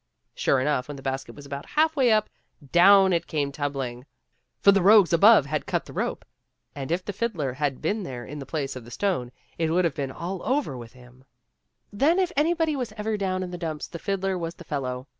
Sure enough, when the basket was about half way up, down it came tumbling, for the rogues above had cut the rope, and if the fiddler had been there in the place of the stone, it would have been all over with him. 262 THE STAFF AND THE FIDDLE. Then if anybody was ever down in the dumps the fiddler was the fellow.